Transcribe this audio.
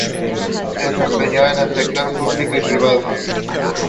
They get assistance from clues by "celebrity panelists" over the course of three rounds.